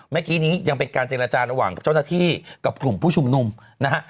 เมื่อกี้นี้ยังเป็นการเจรจาระหว่างเจ้าหน้าที่กับกลุ่มผู้ชุมนุมนะฮะ